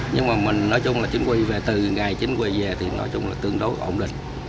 nhưng mà mình nói chung là chính quy về từ ngày chính quy về thì nói chung là tương đối ổn định